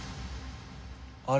あれ？